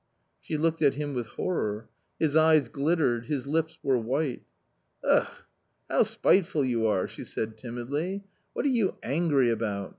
" She looked at him with horror. His eyes glittered, his lips were white. " Ugh ! how spiteful you are !" she said timidly, "what are you angry about